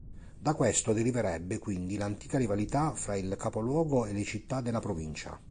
Da questo deriverebbe quindi l'antica rivalità fra il capoluogo e le città della provincia.